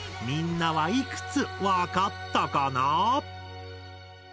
みんなはいくつわかったかな？